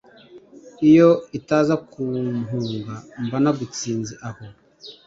iyo itaza kumpunga, mba nagutsinze aho.